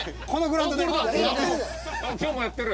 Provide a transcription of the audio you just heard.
今日もやってる。